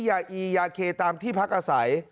ยาอียาเคตามที่พักอาศัย